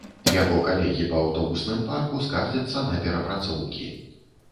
Яго калегі па аўтобусным парку скардзяцца на перапрацоўкі.